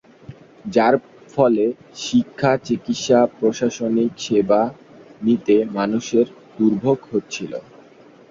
যার ফলে শিক্ষা, চিকিৎসা, প্রশাসনিক সেবা নিতে মানুষের দুর্ভোগ হচ্ছিলো।